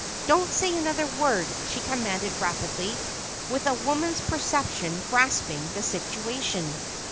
"Don't say another word," she commanded rapidly, with a woman's perception grasping the situation.